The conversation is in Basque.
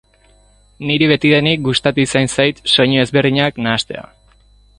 Niri betidanik gustatu izan zait soinu ezberdinak nahastea.